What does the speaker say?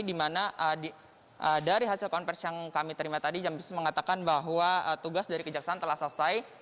di mana dari hasil konversi yang kami terima tadi jam pisto mengatakan bahwa tugas dari kejaksaan telah selesai